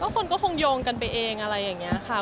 คนก็คงโยงกันไปเองอะไรอย่างนี้ค่ะ